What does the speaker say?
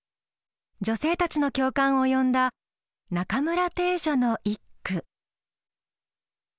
女性たちの共感を呼んだ中村汀女の一句。